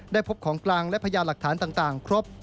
พบของกลางและพยานหลักฐานต่างครบ